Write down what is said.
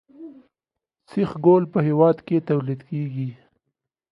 سیخ ګول په هیواد کې تولیدیږي